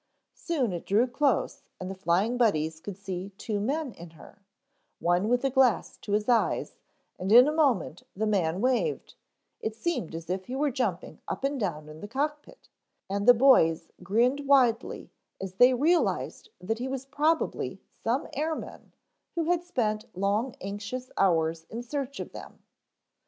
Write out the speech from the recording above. Soon it drew close and the Flying Buddies could see two men in her, one with a glass to his eyes, and in a moment the man waved; it seemed as if he were jumping up and down in the cock pit, and the boys grinned widely as they realized that he was probably some airman who had spent long anxious hours in search of them.